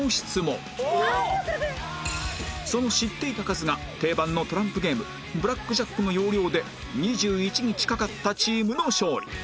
その知っていた数が定番のトランプゲームブラックジャックの要領で２１に近かったチームの勝利